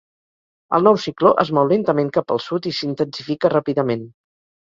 El nou cicló es mou lentament cap el sud i s'intensifica ràpidament.